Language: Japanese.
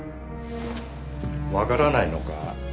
わからないのか？